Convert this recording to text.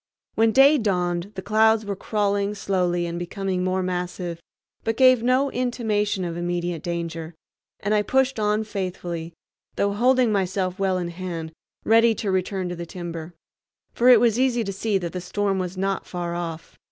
When day dawned the clouds were crawling slowly and becoming more massive, but gave no intimation of immediate danger, and I pushed on faithfully, though holding myself well in hand, ready to return to the timber; for it was easy to see that the storm was not far off.